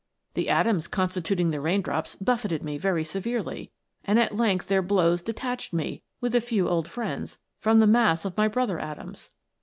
The atoms constituting the rain drops biiffeted me very severely, and at length their blows detached me, with a few old friends, from the mass of my brother atoms.